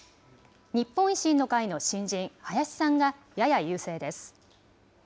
日本維新の会の新人、林さんがやや優勢です。